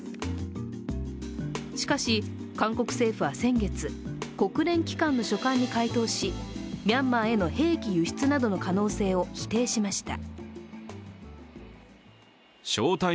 しかし、韓国政府は先月国連機関の書簡に回答し、ミャンマーへの兵器輸出などの可能性を否定しました。